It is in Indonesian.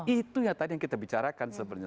itu yang tadi yang kita bicarakan sebenarnya